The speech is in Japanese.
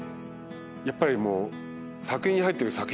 やっぱりもう。